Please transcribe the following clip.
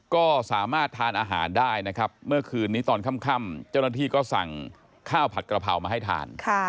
ก็สามารถทานอาหารได้นะครับเมื่อคืนนี้ตอนค่ำเจ้าหน้าที่ก็สั่งข้าวผัดกระเพรามาให้ทาน